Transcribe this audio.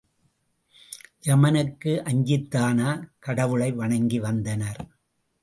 யமனுக்கு அஞ்சித்தானா கடவுளை வணங்கி வந்தனர்.